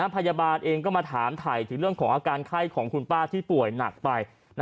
พยาบาลเองก็มาถามถ่ายถึงเรื่องของอาการไข้ของคุณป้าที่ป่วยหนักไป